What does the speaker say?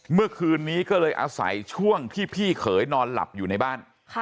เมื่อคืนนี้ก็เลยอาศัยช่วงที่พี่เขยนอนหลับอยู่ในบ้าน